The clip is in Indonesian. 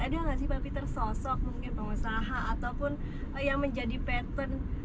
ada nggak sih pak peter sosok mungkin pengusaha ataupun yang menjadi pattern